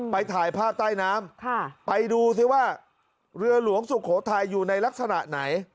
ไปถ่ายภาพใต้น้ำไปดูซิว่าเรือหลวงสุโขทัยอยู่ในลักษณะไหน